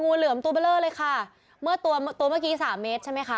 เหลือมตัวเบลอเลยค่ะเมื่อตัวตัวเมื่อกี้สามเมตรใช่ไหมคะ